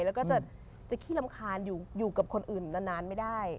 แล้วก็จะขี้รำคาญอยู่กับคนอื่นนานไม่ได้